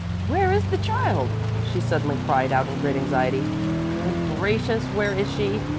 "Where is the child?" she suddenly cried out in great anxiety. "Good gracious, where is she?